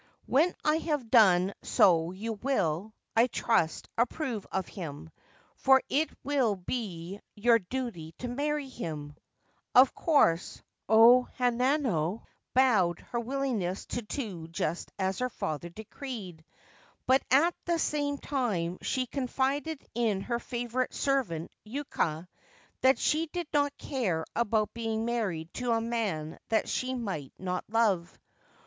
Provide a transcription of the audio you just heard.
When I have done so you will, I trust, approve of him, for it will be your duty to marry him/ Of course, O Hanano bowed her willingness to do just as her father decreed ; but at the same time she confided in her favourite servant Yuka that she did not care about being married to a man that she might not love.